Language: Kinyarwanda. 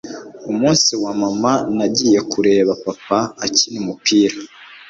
umunsi wa mama nagiye kureba papa akina umupira